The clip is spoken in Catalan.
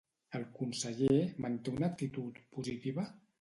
El conseller manté una actitud positiva?